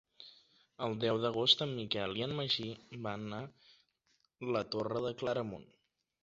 El deu d'agost en Miquel i en Magí van a la Torre de Claramunt.